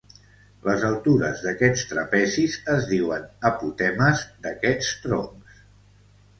Les altures d'aquests trapezis es diuen apotemes d'aquests troncs.